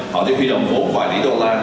họ đi khuyên đồng phố vài tỷ usd